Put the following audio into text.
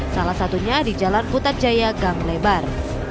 salah satunya di jalan putar jaya gang lebar